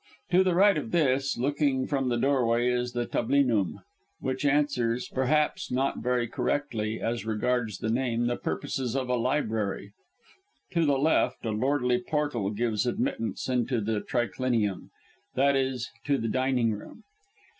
To the right of this, looking from the doorway, is the tablinum, which answers perhaps not very correctly as regards the name the purposes of a library; to the left a lordly portal gives admittance into the triclinium, that is, to the dining room.